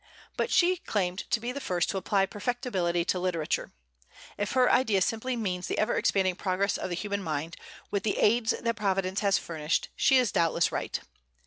But she claimed to be the first to apply perfectibility to literature. If her idea simply means the ever expanding progress of the human mind, with the aids that Providence has furnished, she is doubtless right.